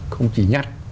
không chỉ nhắt